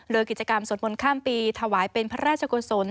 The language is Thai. โดยกิจกรรมสวดมนต์ข้ามปีถวายเป็นพระราชกุศล